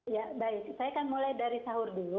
ya baik saya akan mulai dari sahur dulu